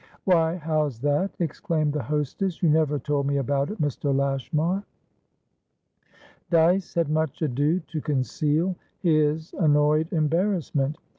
"Why, how's that?" exclaimed the hostess. "You never told me about it, Mr. Lashmar." Dyce had much ado to conceal his annoyed embarrassment.